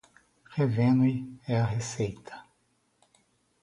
Revenue é a receita.